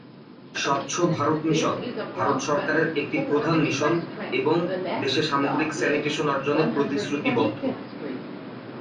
স্বচ্ছ ভারত মিশন ভারত সরকারের একটি প্রধান মিশন এবং দেশে সামগ্রিক স্যানিটেশন অর্জনে প্রতিশ্রুতিবদ্ধ।